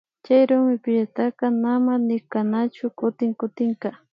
Chay rumipillataka nama nitkanachu kutin kutinka